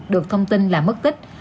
được thông tin là mất tích